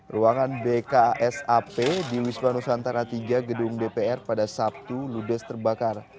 ruangan bksap di wisma nusantara tiga gedung dpr pada sabtu ludes terbakar